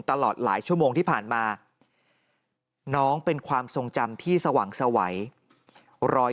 ตลอดหลายชั่วโมงที่ผ่านมาน้องเป็นความทรงจำที่สว่างสวัย